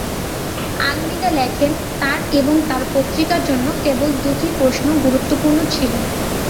আলমিদা লেখেন তাঁর এবং তাঁর পত্রিকার জন্য কেবল দুটি প্রশ্ন গুরুত্বপূর্ণ ছিল।